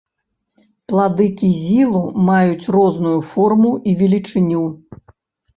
Плады кізілу маюць розную форму і велічыню.